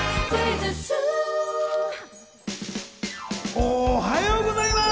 おはようございます！